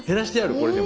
これでも。